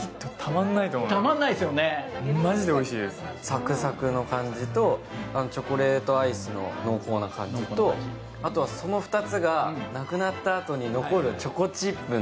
サクサクの感じとチョコレートアイスの濃厚な感じと、あとはその２つがなくなったあとに残るチョコチップ